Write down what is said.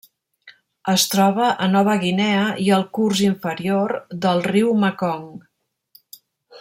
Es troba a Nova Guinea i al curs inferior del riu Mekong.